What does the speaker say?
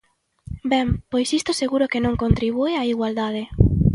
Ben, pois isto seguro que non contribúe á igualdade.